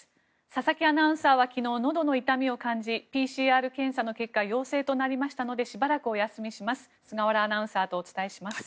佐々木アナウンサーは昨日、のどの痛みを感じＰＣＲ検査の結果陽性となりましたのでしばらくお休みします。